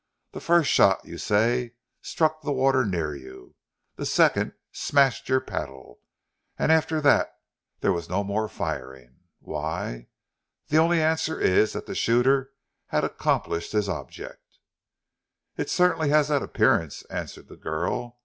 The first shot, you say, struck the water near you, the second smashed your paddle, and after that there was no more firing. Why? The only answer is that the shooter had accomplished his object." "It certainly has that appearance," answered the girl.